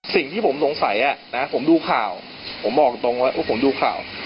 สิ่งที่ผมสงสัยนะผมดูข่าวผมบอกตรงว่าผมดูข่าว